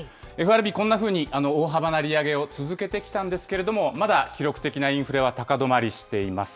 ＦＲＢ、こんなふうに、大幅な利上げを続けてきたんですけれども、まだ記録的なインフレは高止まりしています。